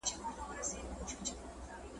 کله چي ارتجاعي قوتونو